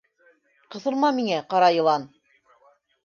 — Ҡыҫылма миңә, ҡара йылан!